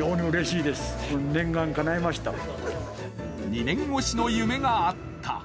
２年越しの夢があった。